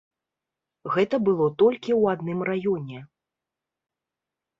Гэта было толькі ў адным раёне.